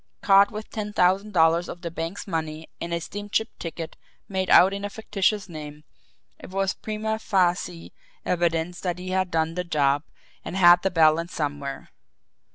Caught with ten thousand dollars of the bank's money and a steamship ticket made out in a fictitious name, it was prima facie evidence that he had done the job and had the balance somewhere.